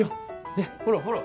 ねっほらほら。